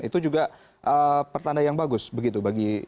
itu juga pertanda yang bagus begitu bagi pasar uang